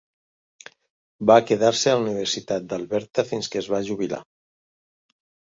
Va quedar-se a la Universitat d'Alberta fins que es va jubilar.